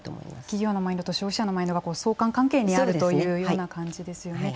企業のマインドと消費者のマインドが相関関係にあるというような感じですよね。